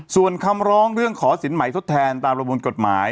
ส่วนคำร้องเรื่องขอสินใหม่ทดแทนตามระบวนกฎหมาย